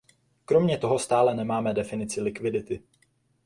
Kromě toho stále nemáme definici likvidity.